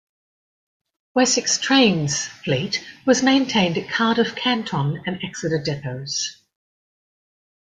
Wessex Trains' fleet was maintained at Cardiff Canton and Exeter depots.